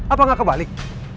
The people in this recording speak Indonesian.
apa gak kebalik